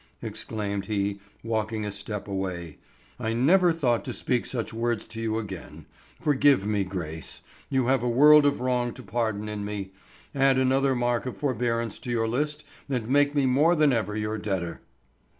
exclaimed he, walking a step away. "I never thought to speak such words to you again. Forgive me, Grace; you have a world of wrong to pardon in me; add another mark of forbearance to your list and make me more than ever your debtor."